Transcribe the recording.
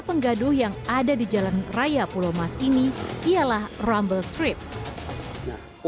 penggaduh yang ada di jalan raya pulauamask ini ialah rambut trip untuk polisi tidur atau yang yang dikeluarkan